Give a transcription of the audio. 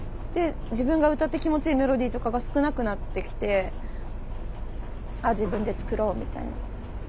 自分が歌って気持ちいいメロディーとかが少なくなってきてあっ自分で作ろうみたいな。